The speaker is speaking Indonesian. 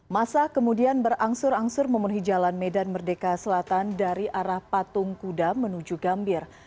masa kemudian berangsur angsur memenuhi jalan medan merdeka selatan dari arah patung kuda menuju gambir